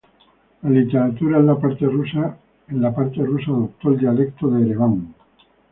La literatura en la parte rusa adoptó el dialecto de Ereván.